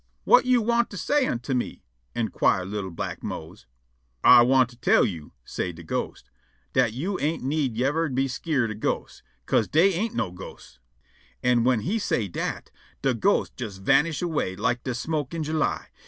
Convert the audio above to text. "Whut yo' want to say unto me?" _in_quire' li'l' black Mose. "Ah want to tell yo'," say' de ghost, "dat yo' ain't need yever be skeered of ghosts, 'ca'se dey ain't no ghosts." An' whin he say dat, de ghost jes vanish' away like de smoke in July.